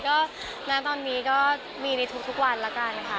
ก็ณตอนนี้ก็มีในทุกวันแล้วกันค่ะ